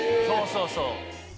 そうそうそう！